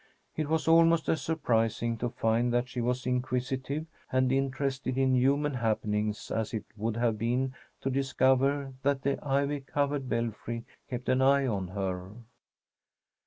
It was almost as surprising to find that she was inquisitive and interested in human happenings as it would have been to discover that the ivy covered belfry kept an eye on her.